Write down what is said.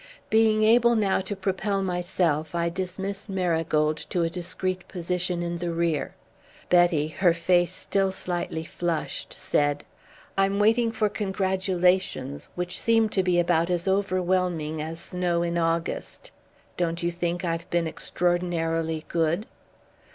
Being able now to propel myself, I dismissed Marigold to a discreet position in the rear. Betty, her face still slightly flushed, said: "I'm waiting for congratulations which seem to be about as overwhelming as snow in August. Don't you think I've been extraordinarily good?"